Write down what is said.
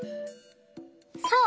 そう！